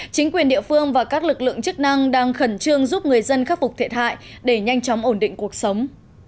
chính quyền địa phương và các lực lượng chức năng đang khẩn trương giúp người dân khắc phục thiệt hại để nhanh chóng ổn định cuộc sống